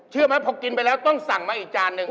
ไหมพอกินไปแล้วต้องสั่งมาอีกจานหนึ่ง